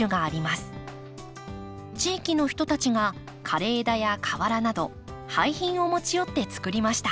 地域の人たちが枯れ枝や瓦など廃品を持ち寄って作りました。